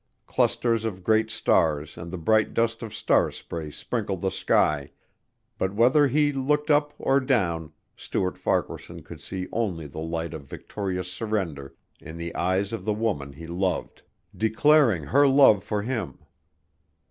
Clusters of great stars and the bright dust of star spray sprinkled the sky, but whether he looked up or down Stuart Farquaharson could see only the light of victorious surrender in the eyes of the woman he loved, declaring her love for him.